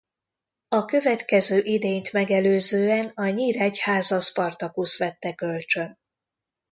A következő idényt megelőzően a Nyíregyháza Spartacus vette kölcsön.